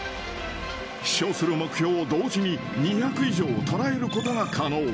飛しょうする目標を同時に２００以上捉えることが可能。